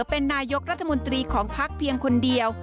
เป็นนายกรัฐมนตรีของพักเพียงคนเดียว